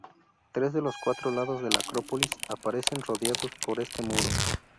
Tres de los cuatro lados de la acrópolis aparecen rodeados por este muro.